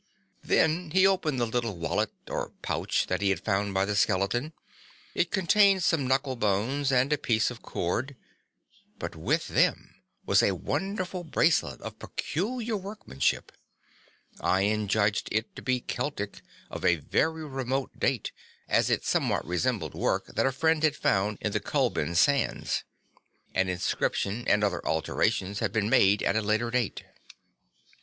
Then he opened the little wallet or pouch that he had found by the skeleton. It contained some knuckle bones and a piece of cord; but with them was a wonderful bracelet of peculiar workmanship. Ian judged it to be Keltic of a very remote date as it somewhat resembled work that a friend had found in the Culbin sands. An inscription and other alterations had been made at a later date.